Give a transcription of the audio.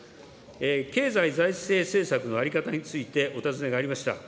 経済財政政策の在り方について、お尋ねがありました。